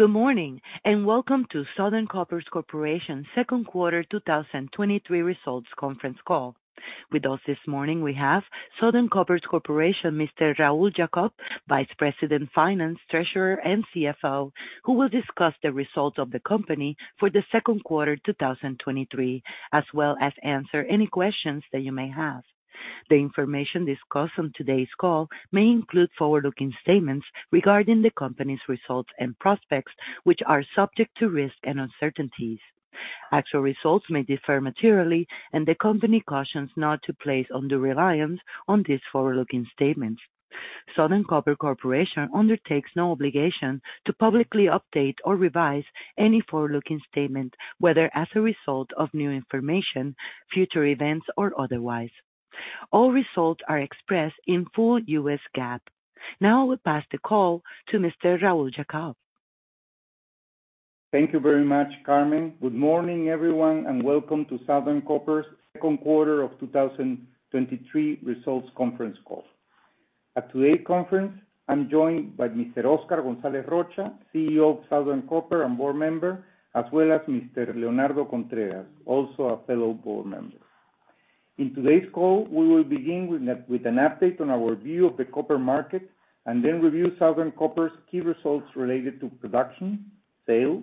Good morning, welcome to Southern Copper Corporation's 2Q 2023 Results Conference Call. With us this morning, we have Southern Copper Corporation, Mr. Raul Jacob, Vice President, Finance, Treasurer, and CFO, who will discuss the results of the company for the 2Q 2023, as well as answer any questions that you may have. The information discussed on today's call may include forward-looking statements regarding the company's results and prospects, which are subject to risks and uncertainties. Actual results may differ materially. The company cautions not to place undue reliance on these forward-looking statements. Southern Copper Corporation undertakes no obligation to publicly update or revise any forward-looking statement, whether as a result of new information, future events, or otherwise. All results are expressed in full US GAAP. Now I will pass the call to Mr. Raul Jacob. Thank you very much, Carmen. Good morning, everyone, and welcome to Southern Copper's Q2 of 2023 results conference call. At today's conference, I'm joined by Mr. Oscar Gonzalez Rocha, CEO of Southern Copper and board member, as well as Mr. Leonardo Contreras, also a fellow board member. In today's call, we will begin with an update on our view of the copper market and review Southern Copper's key results related to production, sales,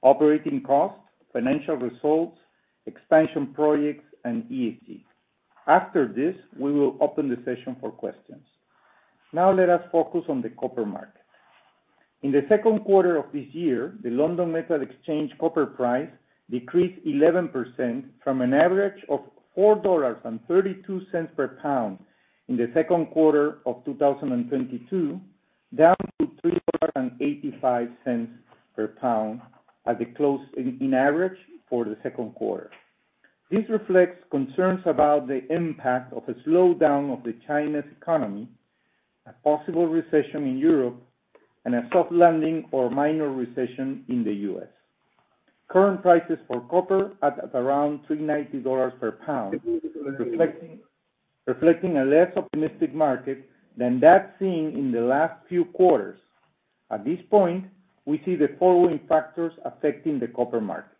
operating costs, financial results, expansion projects, and ESG. After this, we will open the session for questions. Now, let us focus on the copper market. In the Q2 of this year, the London Metal Exchange copper price decreased 11% from an average of $4.32 per pound in the Q2 of 2022, down to $3.85 per pound at the close in average for the Q2. This reflects concerns about the impact of a slowdown of the Chinese economy, a possible recession in Europe, and a soft landing or minor recession in the U.S. Current prices for copper at around $3.90 per pound, reflecting a less optimistic market than that seen in the last few quarters. At this point, we see the following factors affecting the copper market: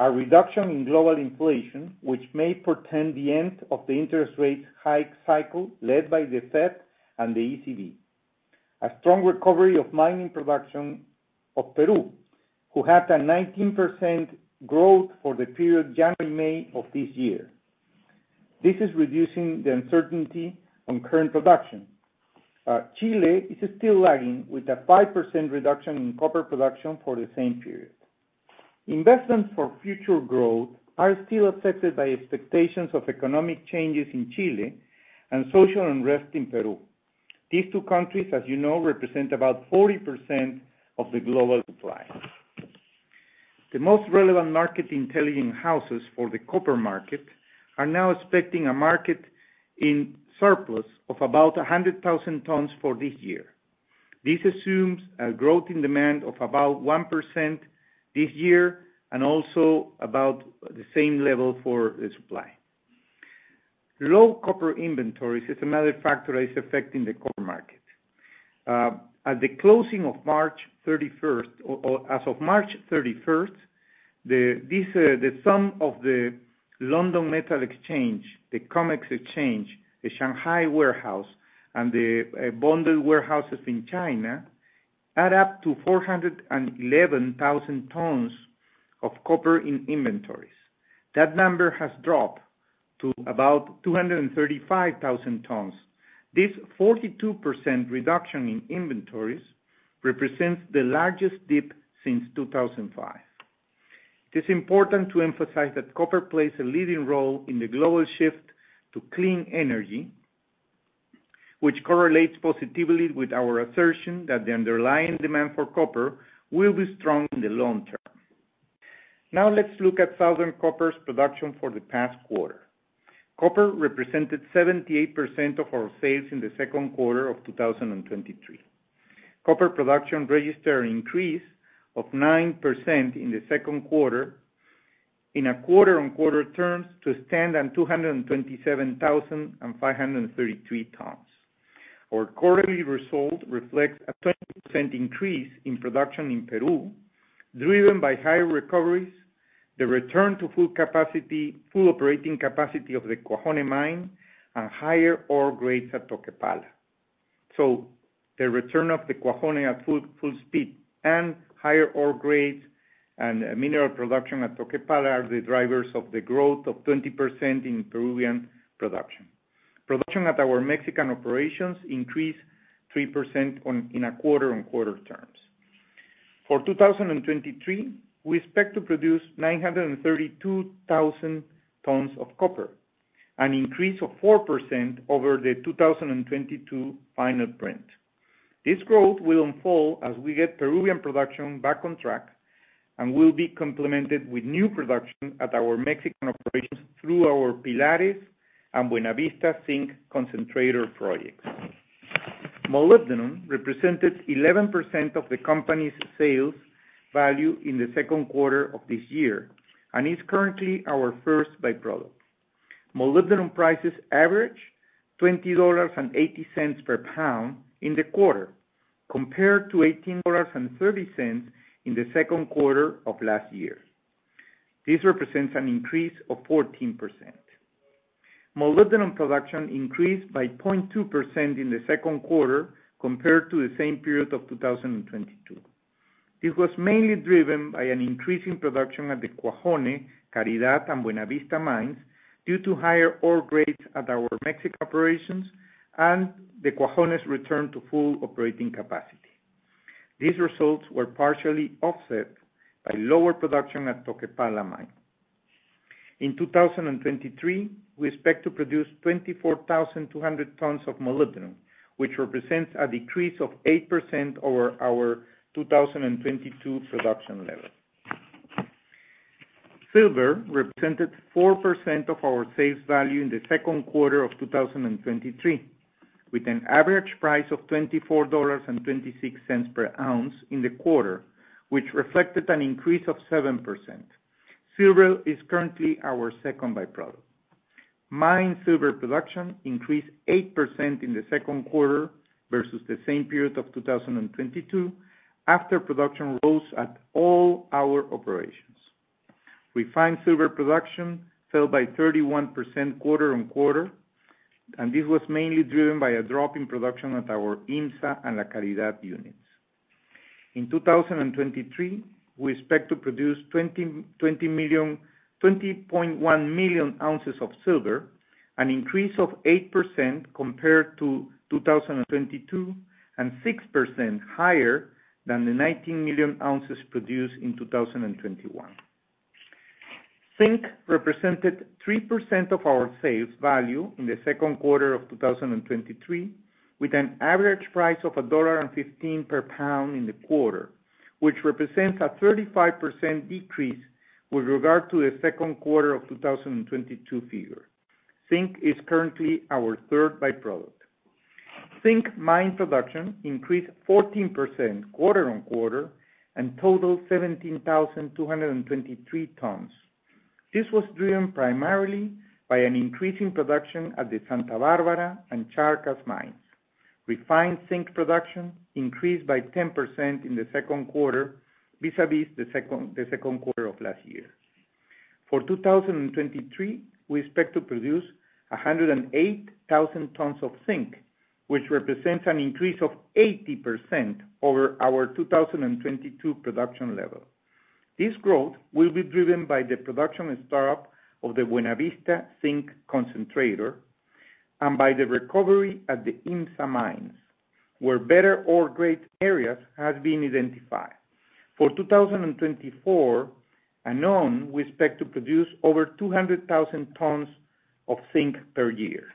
A reduction in global inflation, which may portend the end of the interest rate hike cycle led by the Fed and the ECB. A strong recovery of mining production of Peru, who had a 19% growth for the period January to May of this year. This is reducing the uncertainty on current production. Chile is still lagging, with a 5% reduction in copper production for the same period. Investments for future growth are still affected by expectations of economic changes in Chile and social unrest in Peru. These two countries, as you know, represent about 40% of the global supply. The most relevant market intelligence houses for the copper market are now expecting a market in surplus of about 100,000 tons for this year. This assumes a growth in demand of about 1% this year and also about the same level for the supply. Low copper inventories is another factor that is affecting the copper market. At the closing of March 31st-- or, or as of March 31st, the sum of the London Metal Exchange, the COMEX Exchange, the Shanghai Warehouse, and the bonded warehouses in China add up to 411,000 tons of copper in inventories. That number has dropped to about 235,000 tons. This 42% reduction in inventories represents the largest dip since 2005. It is important to emphasize that copper plays a leading role in the global shift to clean energy, which correlates positively with our assertion that the underlying demand for copper will be strong in the long term. Now let's look at Southern Copper's production for the past quarter. Copper represented 78% of our sales in the Q2 of 2023. Copper production registered an increase of 9% in the Q2, in a quarter-on-quarter terms, to stand at 227,533 tons. Our quarterly result reflects a 20% increase in production in Peru, driven by higher recoveries, the return to full capacity-- full operating capacity of the Cuajone Mine, and higher ore grades at Toquepala. The return of the Cuajone at full, full speed and higher ore grades and mineral production at Toquepala are the drivers of the growth of 20% in Peruvian production. Production at our Mexican operations increased 3% on, in a quarter-on-quarter terms. For 2023, we expect to produce 932,000 tons of copper, an increase of 4% over the 2022 final print. This growth will unfold as we get Peruvian production back on track and will be complemented with new production at our Mexican operations through our Pilares and Buena Vista Zinc Concentrator projects. Molybdenum represented 11% of the company's sales value in the Q2 of this year and is currently our first by-product. Molybdenum prices averaged $20.80 per pound in the quarter, compared to $18.30 in the Q2 of last year. This represents an increase of 14%. Molybdenum production increased by 0.2% in the Q2, compared to the same period of 2022. This was mainly driven by an increase in production at the Cuajone, Caridad, and Buena Vista mines, due to higher ore grades at our Mexican operations and the Cuajone's return to full operating capacity. These results were partially offset by lower production at Toquepala mine. In 2023, we expect to produce 24,200 tons of molybdenum, which represents a decrease of 8% over our 2022 production level. Silver represented 4% of our sales value in the Q2 of 2023, with an average price of $24.26 per ounce in the quarter, which reflected an increase of 7%. Silver is currently our second by-product. Mine silver production increased 8% in the Q2 versus the same period of 2022, after production rose at all our operations. Refined silver production fell by 31% quarter-on-quarter. This was mainly driven by a drop in production at our INSA and La Caridad units. In 2023, we expect to produce 20.1 million ounces of silver, an increase of 8% compared to 2022, and 6% higher than the 19 million ounces produced in 2021. Zinc represented 3% of our sales value in the Q2 of 2023, with an average price of $1.15 per pound in the quarter, which represents a 35% decrease with regard to the Q2 of 2022 figure. Zinc is currently our third by-product. Zinc mine production increased 14% quarter-on-quarter and totaled 17,223 tons. This was driven primarily by an increase in production at the Santa Barbara and Charcas mines. Refined zinc production increased by 10% in the Q2, vis-a-vis the Q2 of last year. For 2023, we expect to produce 108,000 tons of zinc, which represents an increase of 80% over our 2022 production level. This growth will be driven by the production and startup of the Buena Vista Zinc Concentrator, and by the recovery at the INSA mines, where better ore grade areas have been identified. For 2024 and on, we expect to produce over 200,000 tons of zinc per year.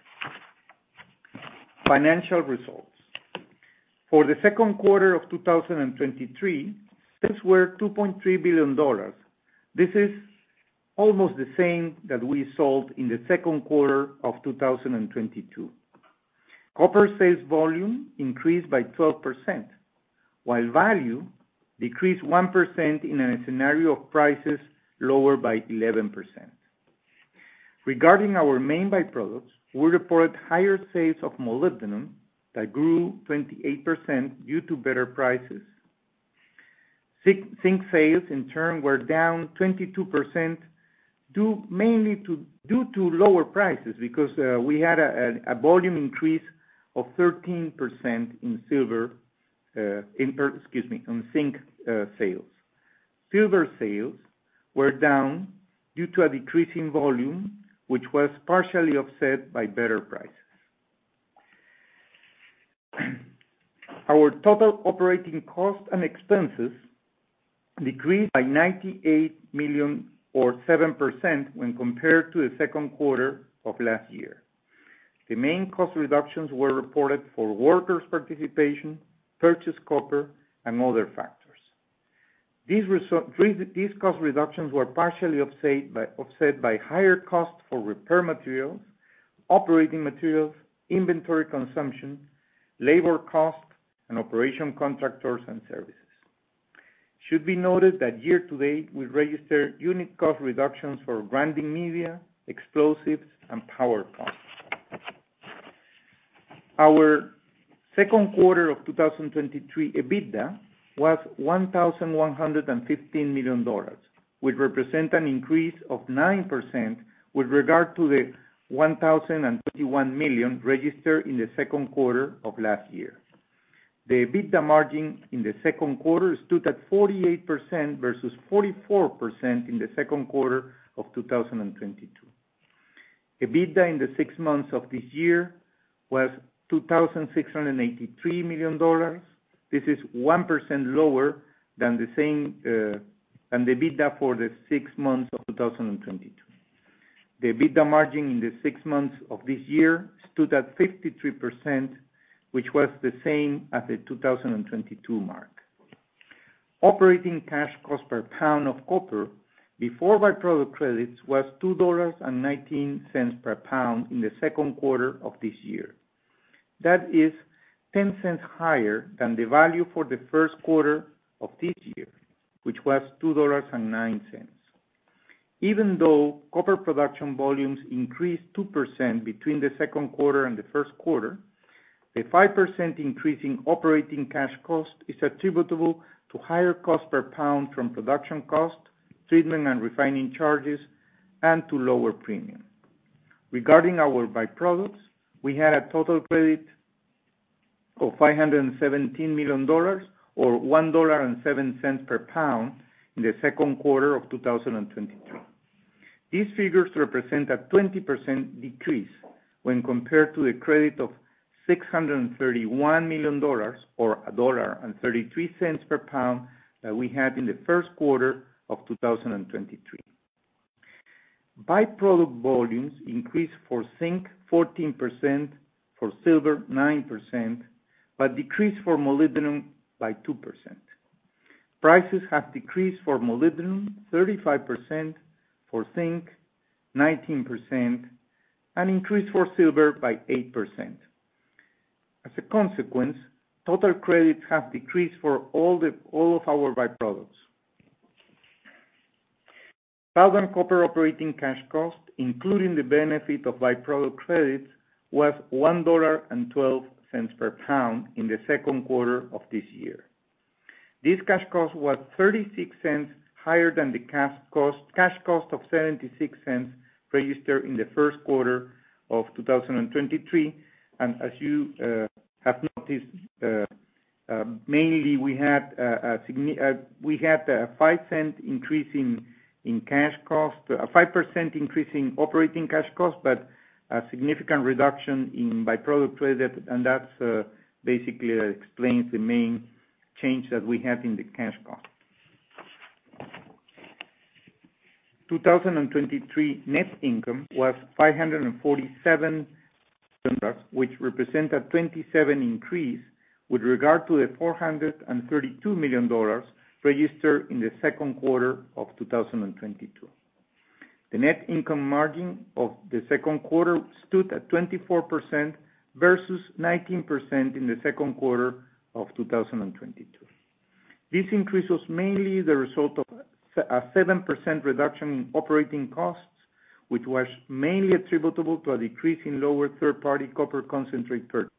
Financial results. For the Q2 of 2023, sales were $2.3 billion. This is almost the same that we sold in the Q2 of 2022. Copper sales volume increased by 12%, while value decreased 1% in a scenario of prices lower by 11%. Regarding our main by-products, we reported higher sales of molybdenum that grew 28% due to better prices. Zinc sales, in turn, were down 22%, due mainly to, due to lower prices, because we had a volume increase of 13% in silver, excuse me, on zinc sales. Silver sales were down due to a decrease in volume, which was partially offset by better prices. Our total operating costs and expenses decreased by $98 million, or 7%, when compared to the Q2 of last year. The main cost reductions were reported for workers' participation, purchased copper, and other factors. These cost reductions were partially offset by higher costs for repair materials, operating materials, inventory consumption, labor costs, and operation contractors and services. Should be noted that year to date, we registered unit cost reductions for grinding media, explosives, and power costs. Our Q2 of 2023 EBITDA was $1,115 million, which represent an increase of 9% with regard to the $1,021 million registered in the Q2 of last year. The EBITDA margin in the Q2 stood at 48% versus 44% in the Q2 of 2022. EBITDA in the six months of this year was $2,683 million. This is 1% lower than the same than the EBITDA for the six months of 2022. The EBITDA margin in the 6 months of this year stood at 53%, which was the same as the 2022 mark. Operating cash costs per pound of copper before by-product credits was $2.19 per pound in the 2Q of this year. That is $0.10 higher than the value for the 1Q of this year, which was $2.09. Even though copper production volumes increased 2% between the 2Q and the 1Q, a 5% increase in operating cash cost is attributable to higher cost per pound from production cost, treatment and refining charges, and to lower premium. Regarding our by-products, we had a total credit of $517 million, or $1.07 per pound, in the 2Q of 2023. These figures represent a 20% decrease when compared to the credit of $631 million, or $1.33 per pound, that we had in the Q1 of 2023. By-product volumes increased for zinc 14%, for silver 9%, but decreased for molybdenum by 2%. Prices have decreased for molybdenum 35%, for zinc 19%, and increased for silver by 8%. As a consequence, total credits have decreased for all the, all of our by-products. Southern Copper operating cash cost, including the benefit of by-product credits, was $1.12 per pound in the Q2 of this year. This cash cost was $0.36 higher than the cash cost, cash cost of $0.76 registered in the Q1 of 2023, and as you have noticed, mainly we had a $0.05 increase in, in cash cost, a 5% increase in operating cash cost, but a significant reduction in by-product credit, and that basically explains the main change that we have in the cash cost. 2023 net income was $547 million, which represent a 27 increase with regard to the $432 million registered in the Q2 of 2022. The net income margin of the Q2 stood at 24% versus 19% in the Q2 of 2022. This increase was mainly the result of a 7% reduction in operating costs, which was mainly attributable to a decrease in lower third-party copper concentrate purchases.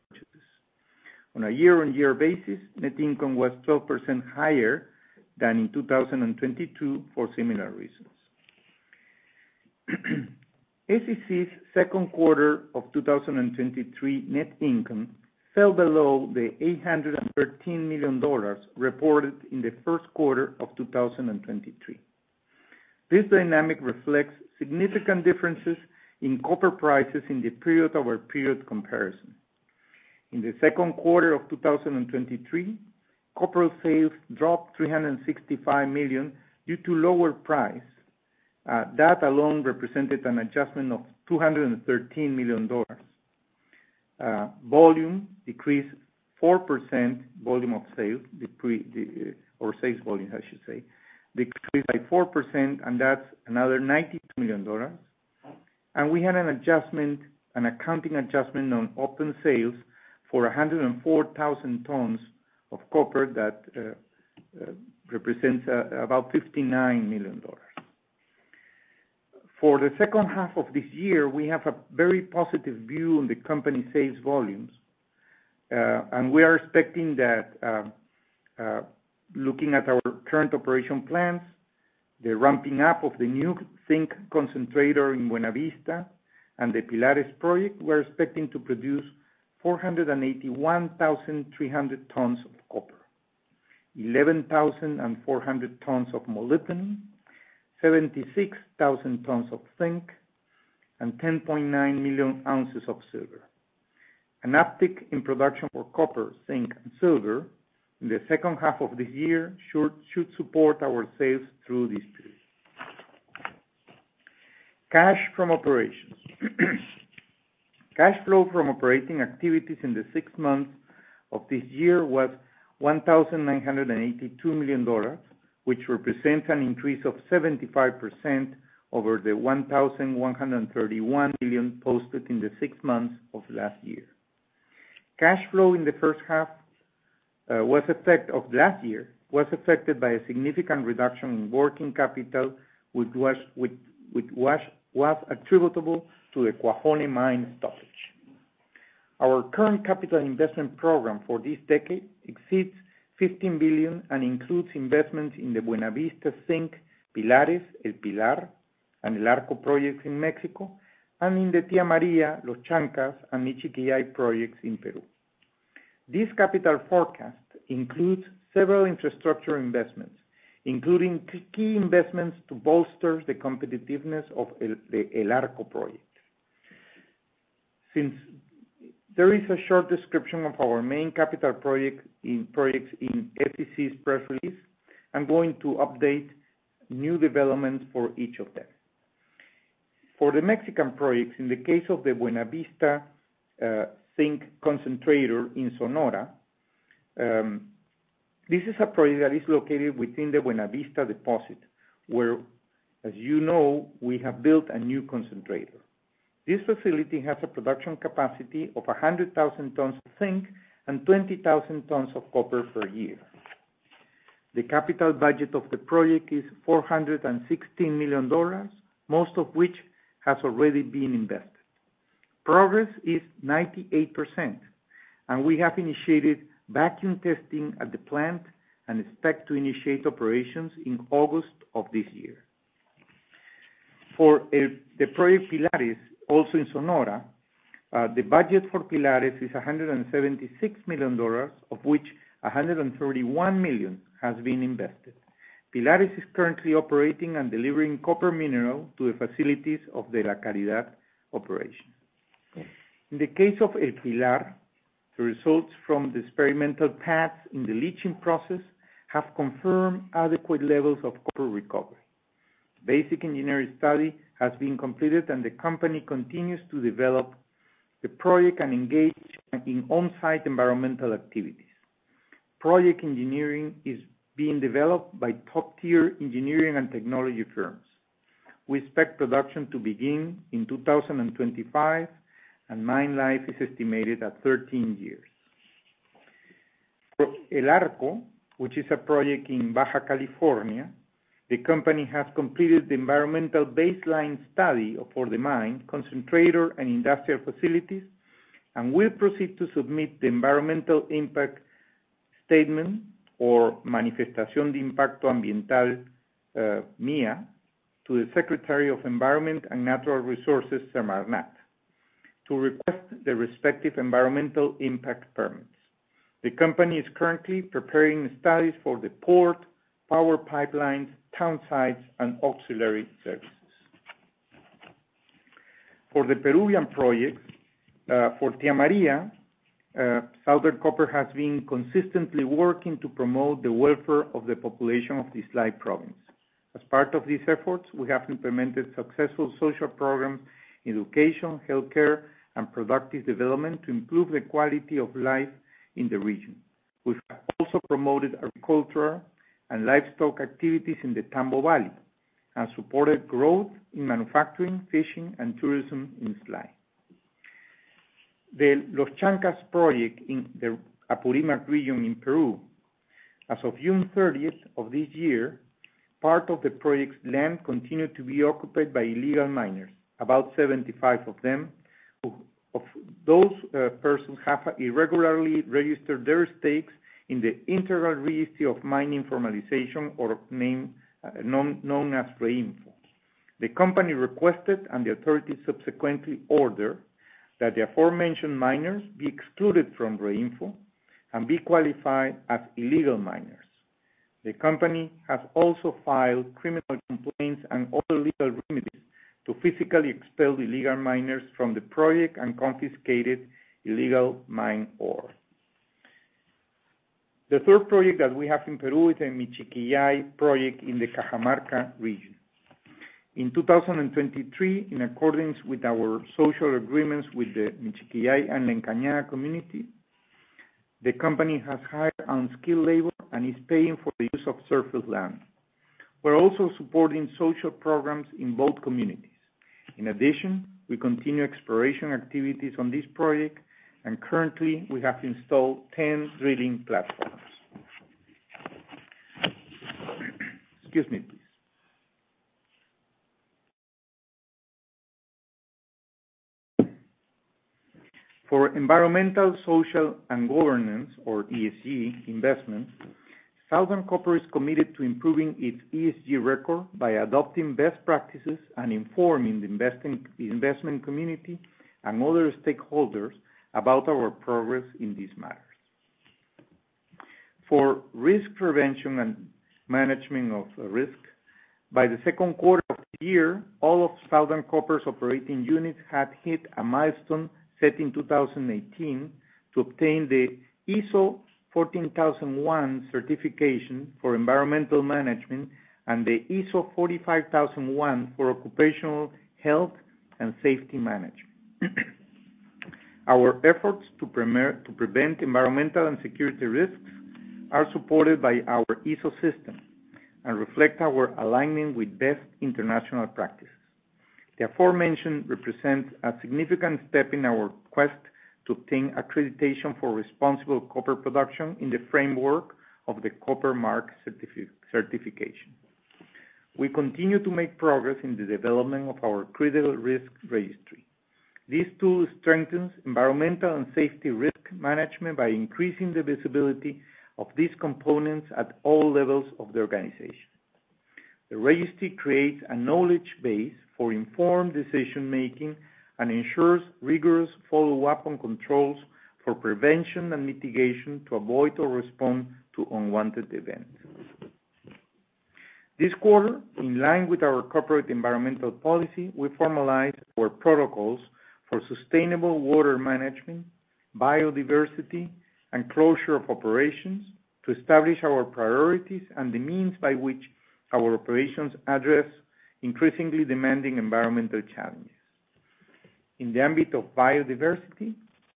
On a year-on-year basis, net income was 12% higher than in 2022 for similar reasons. SCC's Q2 of 2023 net income fell below the $813 million reported in the Q1 of 2023. This dynamic reflects significant differences in copper prices in the period-over-period comparison. In the Q2 of 2023, copper sales dropped $365 million due to lower price. That alone represented an adjustment of $213 million. Volume decreased 4%, volume of sales the, or sales volume, I should say, decreased by 4%, and that's another $92 million. We had an adjustment, an accounting adjustment on open sales for 104,000 tons of copper that represents about $59 million. For the second half of this year, we have a very positive view on the company sales volumes, and we are expecting that, looking at our current operation plans, the ramping up of the new zinc concentrator in Buena Vista and the Pilares project, we're expecting to produce 481,300 tons of copper, 11,400 tons of molybdenum, 76,000 tons of zinc, and 10.9 million ounces of silver. An uptick in production for copper, zinc, and silver in the second half of the year should, should support our sales through this period. Cash from operations. Cash flow from operating activities in the six months of this year was $1,982 million, which represents an increase of 75% over the $1,131 million posted in the six months of last year. Cash flow in the first half of last year was affected by a significant reduction in working capital, which was attributable to the Cuajone Mine stoppage. Our current capital investment program for this decade exceeds $15 billion and includes investments in the Buena Vista Zinc, Pilares, El Pilar, and El Arco projects in Mexico, and in the Tia Maria, Los Chancas, and Michiquillay projects in Peru. This capital forecast includes several infrastructure investments, including key investments to bolster the competitiveness of the El Arco project. Since there is a short description of our main capital project in, projects in FTC's press release, I'm going to update new developments for each of them. For the Mexican projects, in the case of the Buena Vista zinc concentrator in Sonora, this is a project that is located within the Buena Vista deposit, where, as you know, we have built a new concentrator. This facility has a production capacity of 100,000 tons of zinc and 20,000 tons of copper per year. The capital budget of the project is $416 million, most of which has already been invested. Progress is 98%, and we have initiated vacuum testing at the plant and expect to initiate operations in August of this year. For the project Pilares, also in Sonora, the budget for Pilares is $176 million, of which $131 million has been invested. Pilares is currently operating and delivering copper mineral to the facilities of the La Caridad operation. In the case of El Pilar, the results from the experimental paths in the leaching process have confirmed adequate levels of copper recovery. Basic engineering study has been completed, and the company continues to develop the project and engage in on-site environmental activities. Project engineering is being developed by top-tier engineering and technology firms. We expect production to begin in 2025, and mine life is estimated at 13 years. For El Arco, which is a project in Baja California, the company has completed the environmental baseline study for the mine, concentrator, and industrial facilities, and will proceed to submit the environmental impact statement or Manifestación de Impacto Ambiental, MIA, to the Secretariat of Environment and Natural Resources, SEMARNAT, to request the respective environmental impact permits. The company is currently preparing studies for the port, power pipelines, town sites, and auxiliary services. For the Peruvian projects, for Tia Maria, Southern Copper has been consistently working to promote the welfare of the population of the Islay province. As part of these efforts, we have implemented successful social programs in education, healthcare, and productive development to improve the quality of life in the region. We've also promoted agriculture and livestock activities in the Tambo Valley, and supported growth in manufacturing, fishing, and tourism in Islay. The Los Chancas project in the Apurimac region in Peru, as of June 30th of this year, part of the project's land continued to be occupied by illegal miners, about 75 of them, who of those persons have irregularly registered their stakes in the Internal Registry of Mine Informalization, known as REINFO. The company requested, and the authorities subsequently ordered, that the aforementioned miners be excluded from REINFO and be qualified as illegal miners. The company has also filed criminal complaints and other legal remedies to physically expel the illegal miners from the project and confiscated illegal mined ore. The third project that we have in Peru is the Michiquillay project in the Cajamarca region. In 2023, in accordance with our social agreements with the Michiquillay and La Encañada community, the company has hired unskilled labor and is paying for the use of surface land. We're also supporting social programs in both communities. In addition, we continue exploration activities on this project, and currently, we have installed 10 drilling platforms. Excuse me, please. For environmental, social, and governance, or ESG, investments, Southern Copper is committed to improving its ESG record by adopting best practices and informing the investing- the investment community and other stakeholders about our progress in these matters. For risk prevention and management of risk, by the Q2 of the year, all of Southern Copper's operating units had hit a milestone set in 2018 to obtain the ISO 14001 certification for environmental management and the ISO 45001 for occupational health and safety management. Our efforts to prevent environmental and security risks are supported by our ISO system and reflect our alignment with best international practice. The aforementioned represents a significant step in our quest to obtain accreditation for responsible copper production in the framework of the Copper Mark certification. We continue to make progress in the development of our critical risk registry. This tool strengthens environmental and safety risk management by increasing the visibility of these components at all levels of the organization. The registry creates a knowledge base for informed decision-making and ensures rigorous follow-up on controls for prevention and mitigation to avoid or respond to unwanted events. This quarter, in line with our corporate environmental policy, we formalized our protocols for sustainable water management, biodiversity, and closure of operations to establish our priorities and the means by which our operations address increasingly demanding environmental challenges.... In the ambit of biodiversity,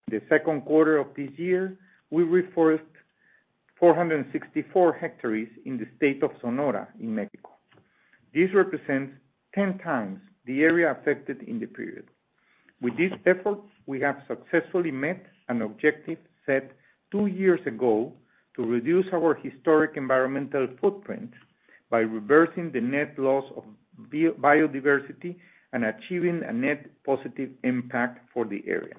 the Q2 of this year, we reforested 464 hectares in the state of Sonora in Mexico. This represents 10 times the area affected in the period. With this effort, we have successfully met an objective set 2 years ago to reduce our historic environmental footprint by reversing the net loss of biodiversity and achieving a net positive impact for the area.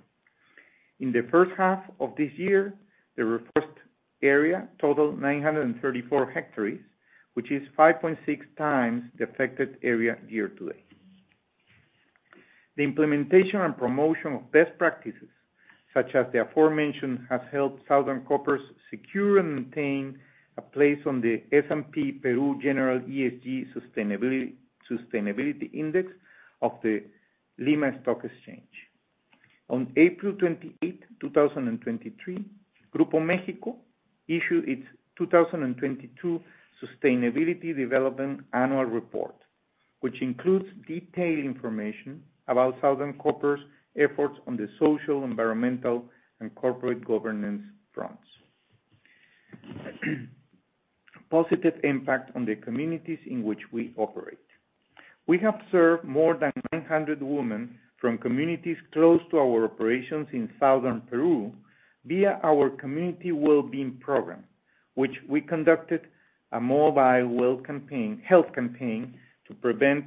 In the first half of this year, the reforest area totaled 934 hectares, which is 5.6 times the affected area year-to-date. The implementation and promotion of best practices, such as the aforementioned, has helped Southern Copper secure and maintain a place on the S&P Peru General ESG Sustainability, Sustainability Index of the Lima Stock Exchange. On April 28, 2023, Grupo México issued its 2022 sustainability development annual report, which includes detailed information about Southern Copper's efforts on the social, environmental, and corporate governance fronts. Positive impact on the communities in which we operate. We have served more than 900 women from communities close to our operations in southern Peru via our community well-being program, which we conducted a health campaign to prevent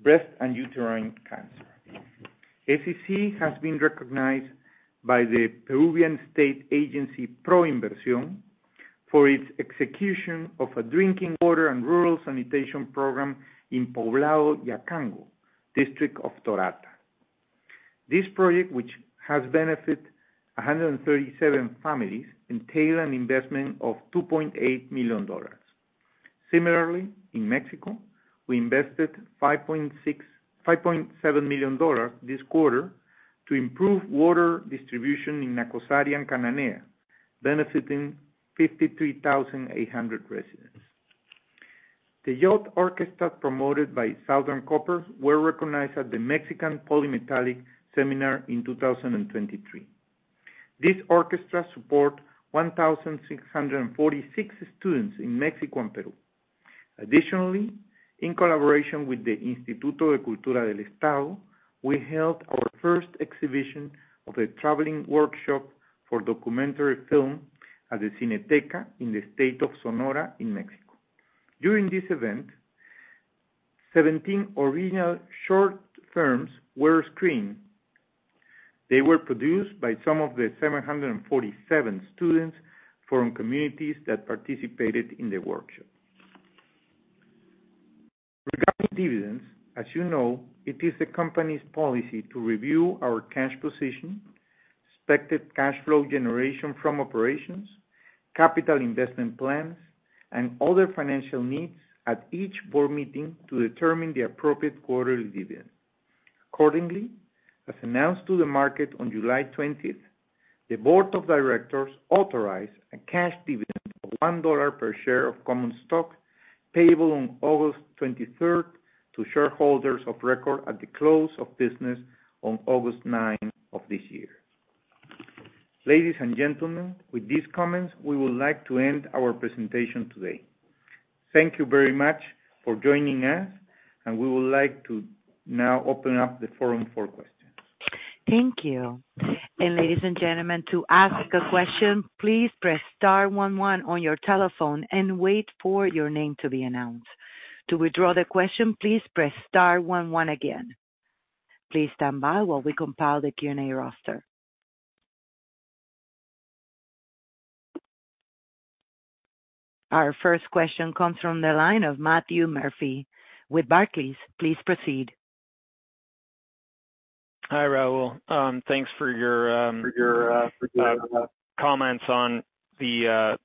breast and uterine cancer. SCC has been recognized by the Peruvian state agency, ProInversión, for its execution of a drinking water and rural sanitation program in Poblado Yacango, District of Torata. This project, which has benefit 137 families, entail an investment of $2.8 million. Similarly, in Mexico, we invested $5.6-- $5.7 million this quarter to improve water distribution in Nacozari and Cananea, benefiting 53,800 residents. The youth orchestra promoted by Southern Copper were recognized at the Mexican Polymetallic Seminar in 2023. This orchestra support 1,646 students in Mexico and Peru. Additionally, in collaboration with the Instituto de Cultura del Estado, we held our first exhibition of a traveling workshop for documentary film at the Cineteca in the state of Sonora in Mexico. During this event, 17 original short films were screened. They were produced by some of the 747 students from communities that participated in the workshop. Regarding dividends, as you know, it is the company's policy to review our cash position, expected cash flow generation from operations, capital investment plans, and other financial needs at each board meeting to determine the appropriate quarterly dividend. Accordingly, as announced to the market on July 20th, the board of directors authorized a cash dividend of $1 per share of common stock, payable on August 23rd, to shareholders of record at the close of business on August 9 of this year. Ladies and gentlemen, with these comments, we would like to end our presentation today. Thank you very much for joining us, and we would like to now open up the forum for questions. Thank you. Ladies and gentlemen, to ask a question, please press S 11 on your telephone and wait for your name to be announced. To withdraw the question, please press S 11 again. Please stand by while we compile the Q&A roster. Our first question comes from the line of Matthew Murphy with Barclays. Please proceed. Hi, Raul. Thanks for your for your comments on the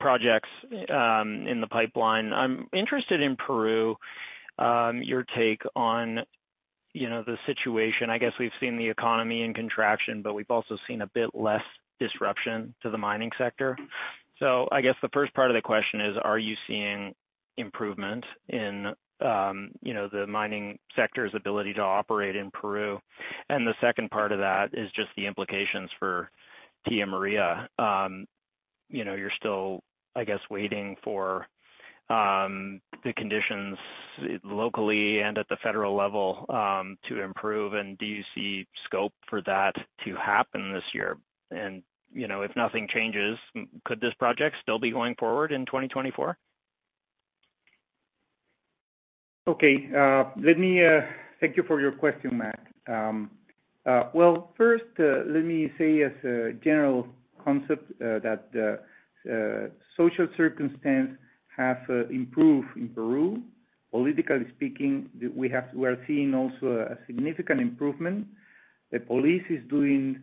projects in the pipeline. I'm interested in Peru, your take on, you know, the situation. I guess we've seen the economy in contraction, but we've also seen a bit less disruption to the mining sector. I guess the first part of the question is: Are you seeing improvement in, you know, the mining sector's ability to operate in Peru? The second part of that is just the implications for Tia Maria. You know, you're still, I guess, waiting for the conditions locally and at the federal level to improve. Do you see scope for that to happen this year? If nothing changes, could this project still be going forward in 2024? Okay, let me... Thank you for your question, Matt. Well, first, let me say, as a general concept, that social circumstance have improved in Peru. Politically speaking, we are seeing also a significant improvement. The police is doing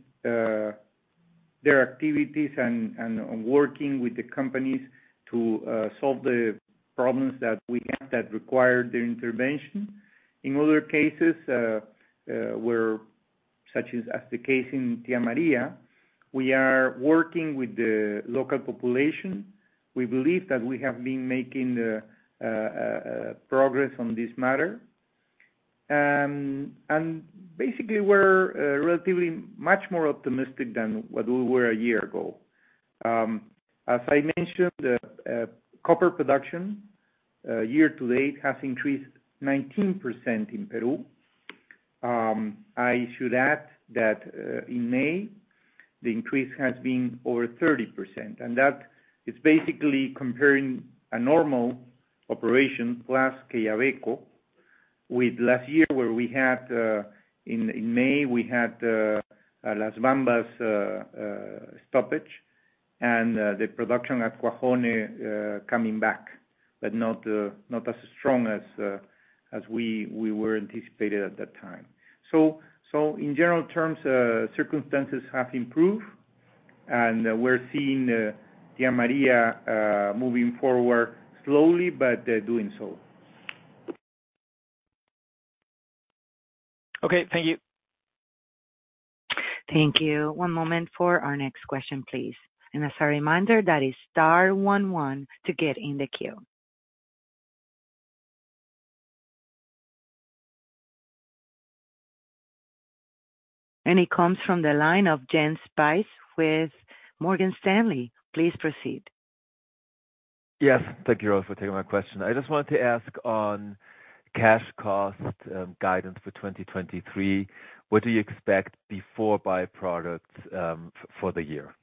their activities and working with the companies to solve the problems that we have that require their intervention. In other cases, where such as the case in Tia Maria. We are working with the local population. We believe that we have been making progress on this matter. Basically we're relatively much more optimistic than what we were a year ago. As I mentioned, copper production year to date has increased 19% in Peru. I should add that, in May, the increase has been over 30%. That is basically comparing a normal operation, plus Quellaveco, with last year, where we had, in May, we had Las Bambas stoppage and the production at Cuajone coming back, but not as strong as we were anticipated at that time. In general terms, circumstances have improved. We're seeing Tía María moving forward slowly, but doing so. Okay, thank you. Thank you. One moment for our next question, please. As a reminder, that is S one one to get in the queue. It comes from the line of Jens Spiess with Morgan Stanley. Please proceed. Yes, thank you all for taking my question. I just wanted to ask on cash cost, guidance for 2023, what do you expect before byproducts, for the year?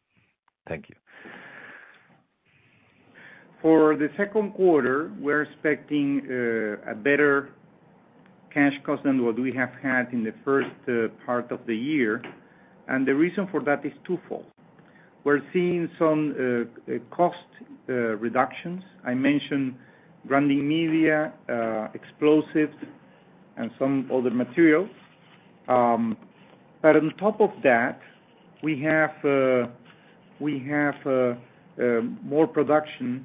Thank you. For the Q2, we're expecting a better cash cost than what we have had in the first part of the year, and the reason for that is twofold. We're seeing some cost reductions. I mentioned grinding media, explosives, and some other materials. But on top of that, we have more production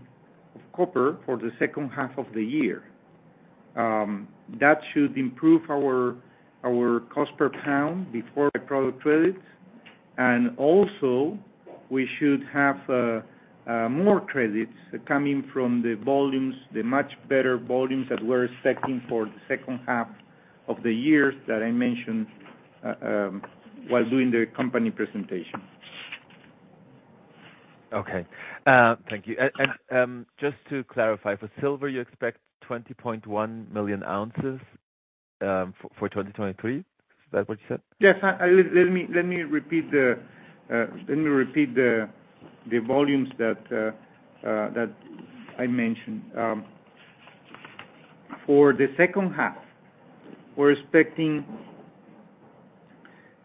of copper for the second half of the year. That should improve our cost per pound before byproduct credits. We should have more credits coming from the volumes, the much better volumes, that we're expecting for the second half of the year that I mentioned while doing the company presentation. Okay. Thank you. Just to clarify, for silver, you expect 20.1 million ounces for 2023? Is that what you said? Yes, I, let me, let me repeat the, let me repeat the, the volumes that, that I mentioned. For the second half, we're expecting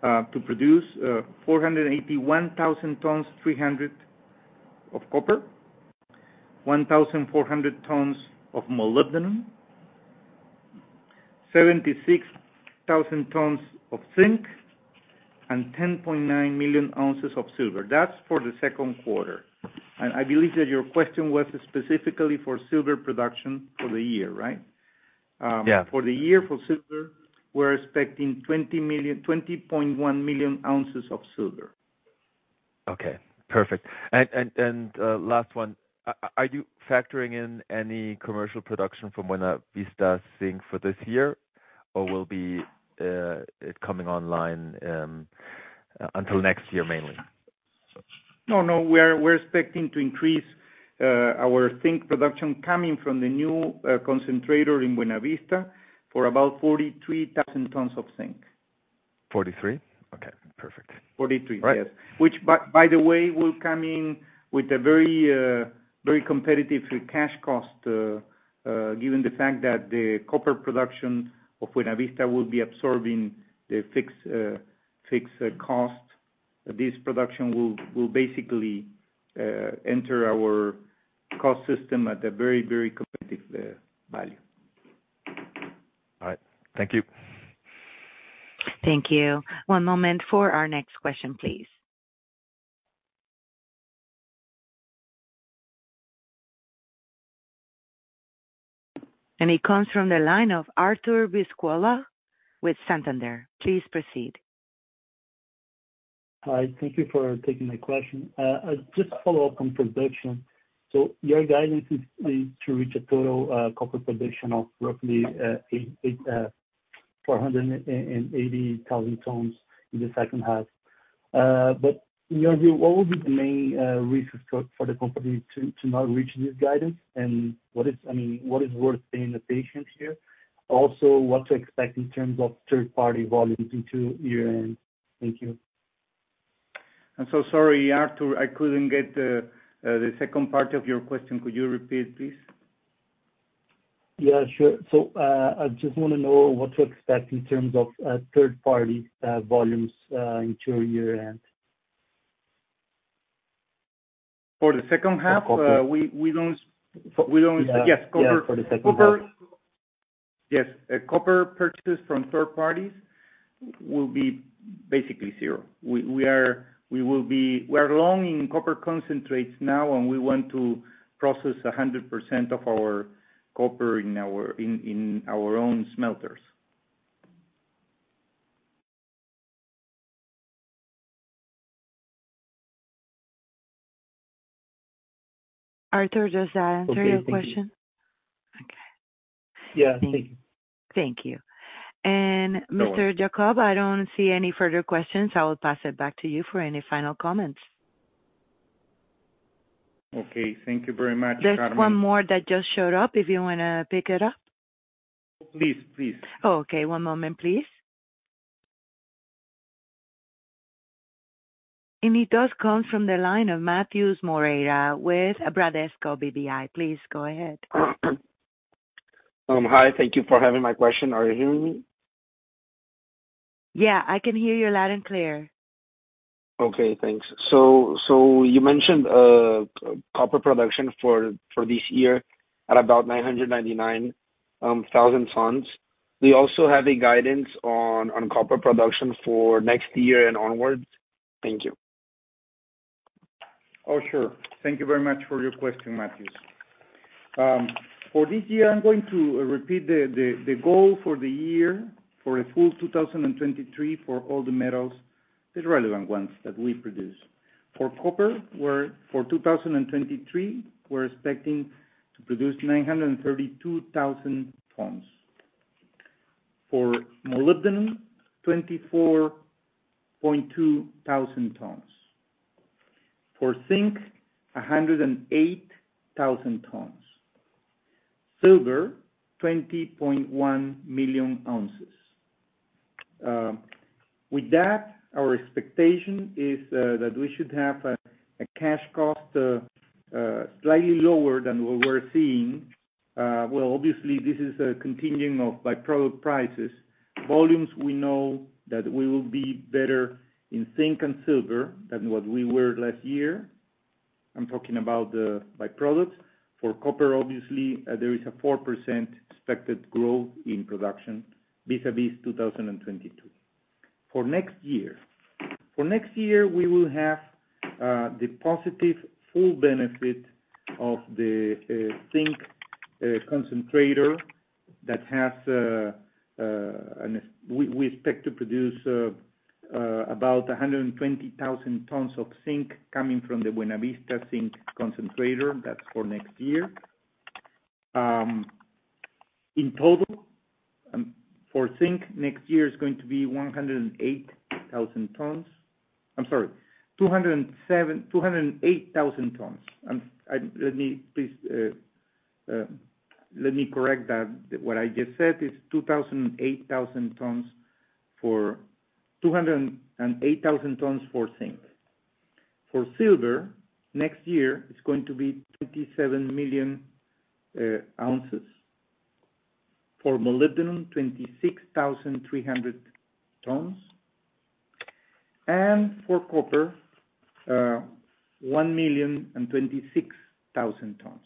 to produce 481,300 tons of copper, 1,400 tons of molybdenum, 76,000 tons of zinc, and 10.9 million ounces of silver. That's for the Q2. I believe that your question was specifically for silver production for the year, right? Yeah. For the year, for silver, we're expecting 20.1 million ounces of silver. Okay, perfect. Last one. Are you factoring in any commercial production from Buena Vista Zinc for this year, or will be it coming online until next year, mainly? No, no, we're expecting to increase, our zinc production coming from the new, concentrator in Buena Vista for about 43,000 tons of zinc. 43? Okay, perfect. Forty-three. Right. Yes. Which by, by the way, will come in with a very, very competitive free cash cost, given the fact that the copper production of Buena Vista will be absorbing the fixed cost, this production will, will basically enter our cost system at a very, very competitive value. All right. Thank you. Thank you. One moment for our next question, please. It comes from the line of Arthur Biscuola with Santander. Please proceed. Hi, thank you for taking my question. Just follow up on production. Your guidance is to reach a total copper production of roughly 8, 8, 400 and, and 80,000 tons in the second half. You know, what will be the main risk for the company to not reach this guidance? I mean, what is worth being patient here? Also, what to expect in terms of third-party volumes into year-end? Thank you. I'm so sorry, Arthur, I couldn't get the second part of your question. Could you repeat, please? Yeah, sure. I just want to know what to expect in terms of third party volumes into your end. For the second half? For copper. We, we don't. For- Yes, copper. Yes, for the second half. Copper. Yes, copper purchase from third parties will be basically zero. We are long in copper concentrates now. We want to process 100% of our copper in our, in, in our own smelters. Arthur, does that answer your question? Okay, thank you. Okay. Yeah, thank you. Thank you. Mr. Jacob, I don't see any further questions. I will pass it back to you for any final comments. Okay, thank you very much, Carmen. There's one more that just showed up, if you wanna pick it up. Please, please. Okay, one moment, please. It does come from the line of Matheus Moreira with Bradesco BBI. Please go ahead. Hi, thank you for having my question. Are you hearing me? Yeah, I can hear you loud and clear. Okay, thanks. You mentioned copper production for this year at about 999,000 tons. Do you also have a guidance on copper production for next year and onwards? Thank you. Oh, sure. Thank you very much for your question, Matheus. For this year, I'm going to repeat the, the, the goal for the year for a full 2023 for all the metals, the relevant ones that we produce. For copper, we're-- for 2023, we're expecting to produce 932,000 tons. For molybdenum, 24.2 thousand tons. For zinc, 108,000 tons. Silver, 20.1 million ounces. With that, our expectation is that we should have a, a cash cost slightly lower than what we're seeing. Well, obviously, this is a continuing of by-product prices. Volumes, we know that we will be better in zinc and silver than what we were last year. I'm talking about the byproducts. For copper, obviously, there is a 4% expected growth in production vis-a-vis 2022. For next year. For next year, we will have the positive full benefit of the zinc concentrator that has we expect to produce about 120,000 tons of zinc coming from the Buena Vista Zinc Concentrator. That's for next year. In total, for zinc, next year is going to be 108,000 tons. I'm sorry, 207-- 208,000 tons. Let me please let me correct that. What I just said is 2,080,000 tons for... 208,000 tons for zinc. For silver, next year, it's going to be 27 million ounces. For molybdenum, 26,300 tons. For copper, 1,026,000 tons.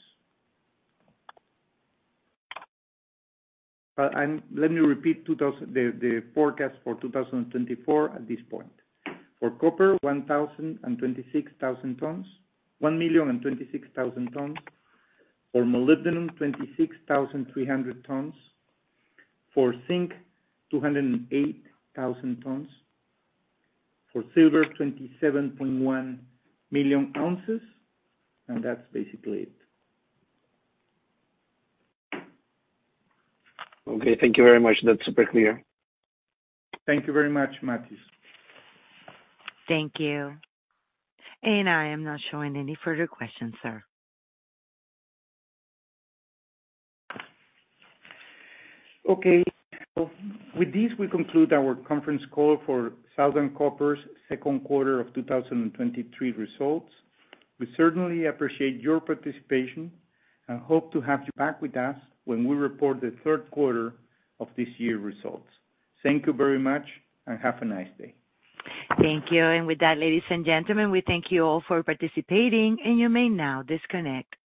Let me repeat the forecast for 2024 at this point. For copper, 1,026,000 tons, 1,026,000 tons. For molybdenum, 26,300 tons. For zinc, 208,000 tons. For silver, 27.1 million ounces, and that's basically it. Okay, thank you very much. That's super clear. Thank you very much, Matheus. Thank you. I am not showing any further questions, sir. Okay. With this, we conclude our conference call for Southern Copper's Q2 of 2023 results. We certainly appreciate your participation and hope to have you back with us when we report the third quarter of this year's results. Thank you very much, and have a nice day. Thank you. With that, ladies and gentlemen, we thank you all for participating, and you may now disconnect.